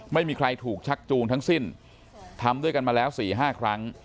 ไม่มีใครถูกชักจูงทั้งสิ้นทำด้วยกันมาแล้ว๔๕ครั้ง